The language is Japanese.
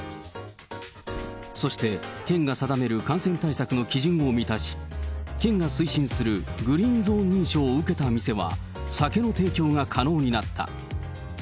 そして県が定める感染対策の基準を満たし、県が推進するグリーン・ゾーン認証を受けた店は、酒の提供が可能になった。